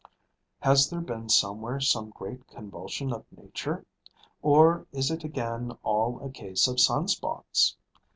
Has there been somewhere some great convulsion of nature? or is it again all a case of sun spots?